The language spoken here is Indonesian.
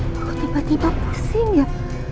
aduh kok tiba tiba pusing ya